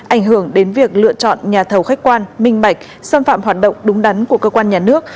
ảnh hưởng đến việc lựa chọn nhà thầu khách quan minh bạch xâm phạm hoạt động đúng đắn của cơ quan nhà nước